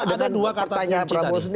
ada dua kata penciptanya